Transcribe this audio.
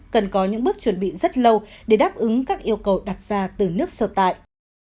cần có những bước chuẩn bị rất lâu để đáp ứng các yêu cầu đặt ra từ nước sở tại